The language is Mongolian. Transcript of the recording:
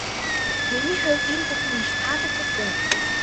Миний хувьд энэ бүхэн их таалагдаж байна.